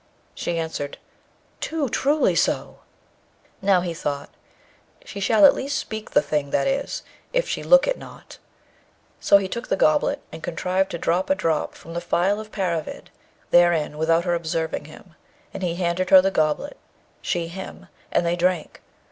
She answered, 'Too truly so!' Now, he thought, 'She shall at least speak the thing that is, if she look it not.' So he took the goblet, and contrived to drop a drop from the phial of Paravid therein without her observing him; and he handed her the goblet, she him; and they drank.